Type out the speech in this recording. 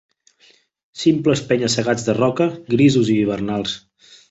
Simples penya-segats de roca, grisos i hivernals